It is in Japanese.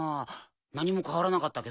何も変わらなかったけど。